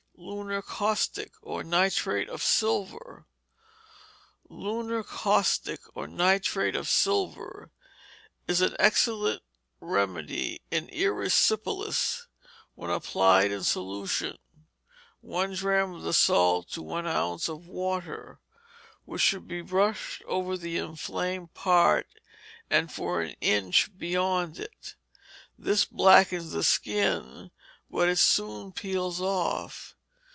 Lunar Caustic; or Nitrate of Silver Lunar Caustic; or Nitrate of Silver, is an excellent remedy in erysipelas when applied in solution (one drachm of the salt to one ounce of water), which should be brushed all over the inflamed part, and for an inch beyond it. This blackens the skin, but it soon peels off.